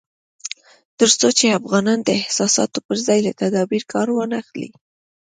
تر څو چې افغانان د احساساتو پر ځای له تدبير کار وانخلي